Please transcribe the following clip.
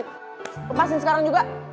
lepasin sekarang juga